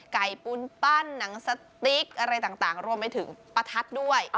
ปูนปั้นหนังสติ๊กอะไรต่างรวมไปถึงประทัดด้วย